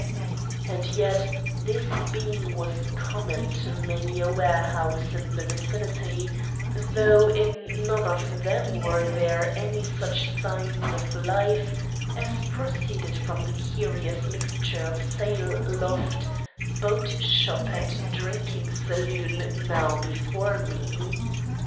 And yet this beam was common to many a warehouse in the vicinity, though in none of them were there any such signs of life as proceeded from the curious mixture of sail loft, boat shop and drinking saloon, now before me.